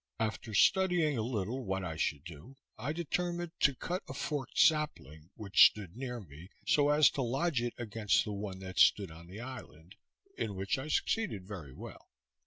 After studying a little what I should do, I determined to cut a forked sapling, which stood near me, so as to lodge it against the one that stood on the island, in which I succeeded very well.